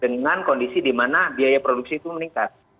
dengan kondisi di mana biaya produksi itu meningkat